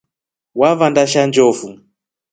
Wavanda sha njofu.